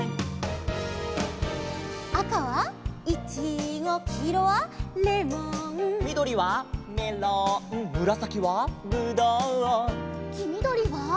「赤はイチゴきいろはレモン」「みどりはメロンむらさきはブドウ」「きみどりは」